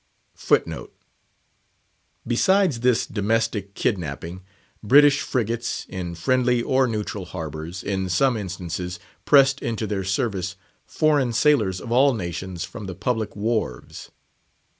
Besides this domestic kidnapping, British frigates, in friendly or neutral harbours, in some instances pressed into their service foreign sailors of all nations from the public wharves.